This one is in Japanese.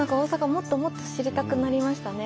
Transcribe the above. もっともっと知りたくなりましたね。